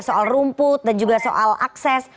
soal rumput dan juga soal akses